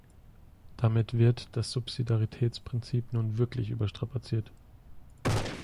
Damit wird das Subsidiaritätsprinzip nun wirklich überstrapaziert!